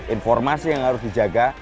informasi yang harus dijaga